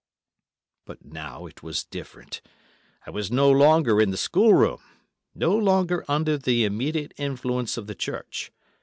But now it was different—I was no longer in the schoolroom, no longer under the immediate influence of the Church.